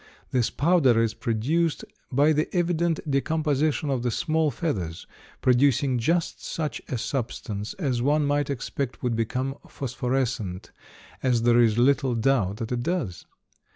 This powder is produced by the evident decomposition of the small feathers, producing just such a substance as one might expect would become phosphorescent, as there is little doubt that it does.